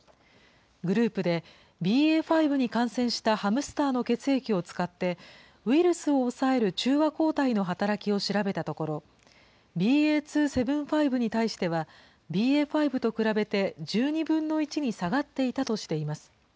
グループで、ＢＡ．５に感染したハムスターの血液を使って、ウイルスを抑える中和抗体の働きを調べたところ、ＢＡ．２．７５に対してはＢＡ．５と比べて１２分の１に下がっていたとしています。